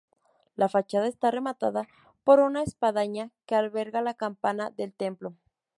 La fachada está rematada por una espadaña que alberga la campana del templo.